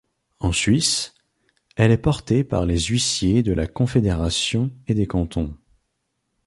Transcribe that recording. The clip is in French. En Suisse, elle est portée par les huissiers de la Confédération et des cantons.